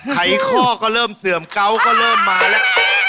ไขข้อก็เริ่มเสื่อมเกาก็เริ่มมาแล้ว